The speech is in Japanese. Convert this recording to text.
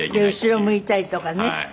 後ろ向いたりとかね。